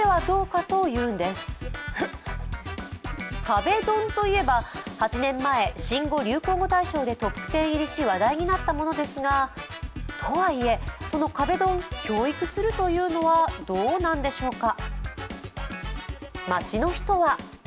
壁ドンといえば、８年前、新語・流行語大賞でトップ１０入りし話題になったものですが、とはいえ、その壁ドン教育するのはどうなんでしょうか。